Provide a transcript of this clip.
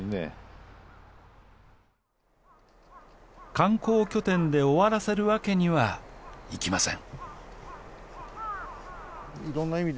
観光拠点で終わらせるわけにはいきません